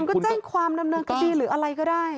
ก็แจ้งความดำเนินคดีหรืออะไรก็ได้